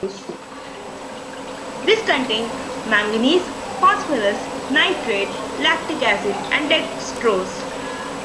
This contains manganese, phosphorus, nitrate, lactic acid, and dextrose!